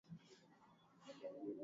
Sijawahi ona mlima Kenya